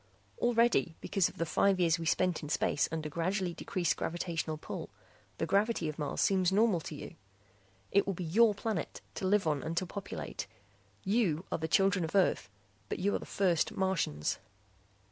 Already, because of the five years we spent in space under gradually decreased gravitational pull, the gravity of Mars seems normal to you. "It will be your planet, to live on and to populate. You are the children of Earth but you are the first Martians."